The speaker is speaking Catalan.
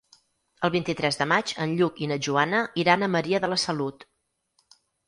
El vint-i-tres de maig en Lluc i na Joana iran a Maria de la Salut.